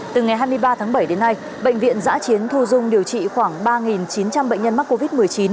từ ngày hai mươi ba tháng bảy đến nay bệnh viện giã chiến thu dung điều trị khoảng ba chín trăm linh bệnh nhân mắc covid một mươi chín